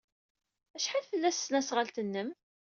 Acḥal fell-as tesnasɣalt-nnem?